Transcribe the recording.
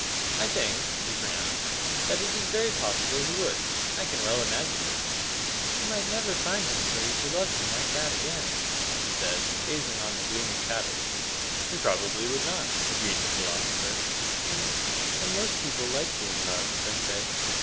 "I think," he pronounced, "that it is very possible he would. I can well imagine it." "He might never find anybody to love him like that again," she said, gazing on the gleaming paddock. "He probably would not," agreed the philosopher. "And and most people like being loved, don't they?"